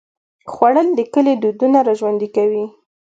خوړل د کلي دودونه راژوندي کوي